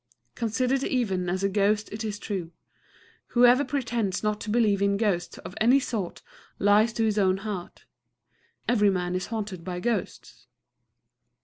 Considered even as a ghost it is true. Whoever pretends not to believe in ghosts of any sort, lies to his own heart. Every man is haunted by ghosts.